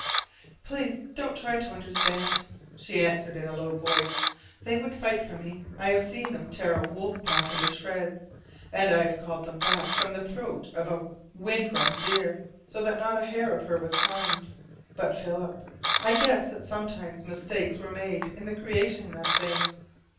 "Please don't try to understand," she answered in a low voice. "They would fight for me. I have seen them tear a wolf pack into shreds. And I have called them back from the throat of a wind run deer, so that not a hair of her was harmed. But, Philip, I guess that sometimes mistakes were made in the creation of things.